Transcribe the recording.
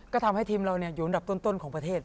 ก็ทำให้ทีมเราอยู่อันดับต้นของประเทศ